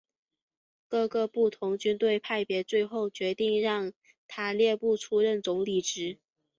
各个不同军队派别最后决定让塔列布出任总理职。